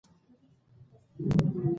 دا پېښه درې یا څلور لسیزې مخکې شوې وه.